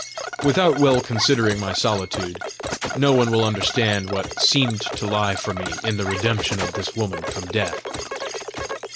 Without well considering my solitude, no one will understand what seemed to lie for me in the redemption of this woman from death.